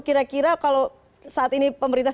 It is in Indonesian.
kira kira kalau saat ini pemerintah